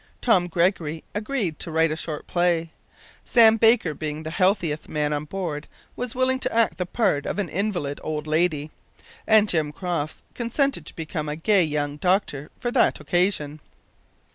Tom Gregory agreed to write a short play. Sam Baker, being the healthiest man on board, was willing to act the part of an invalid old lady, and Jim Crofts consented to become a gay young doctor for that occasion.